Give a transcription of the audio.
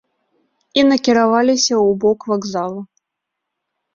І накіраваліся ў бок вакзалу.